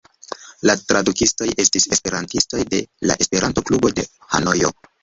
La tradukistoj estis esperantistoj de la Esperanto-klubo de Hanojo.